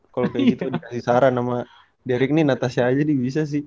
kalau kayak gitu dikasih saran sama derik ini natasha aja nih bisa sih